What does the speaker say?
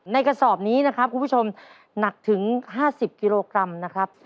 กระสอบนี้นะครับคุณผู้ชมหนักถึง๕๐กิโลกรัมนะครับ